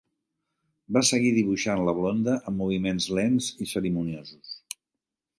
Va seguir dibuixant la blonda amb moviments lents i cerimoniosos.